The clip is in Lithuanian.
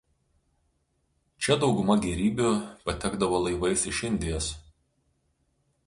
Čia dauguma gerybių patekdavo laivais iš Indijos.